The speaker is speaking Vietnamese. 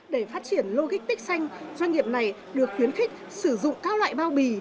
để phát triển lô gích tích xanh doanh nghiệp này được khuyến khích sử dụng các loại bao bì